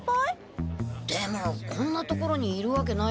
でもこんな所にいるわけないよな。